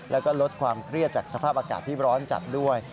แล้วก็ลดความเครียดจากสภาพอากาศที่ร้อนจัดด้วย